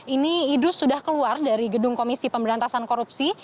ini idrus sudah keluar dari gedung komisi pemberantasan korupsi